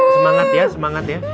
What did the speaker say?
semangat ya semangat ya